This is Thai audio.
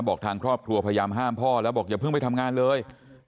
ทางครอบครัวพยายามห้ามพ่อแล้วบอกอย่าเพิ่งไปทำงานเลย